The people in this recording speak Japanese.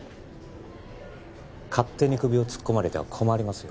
勝手に首を突っ込まれては困りますよ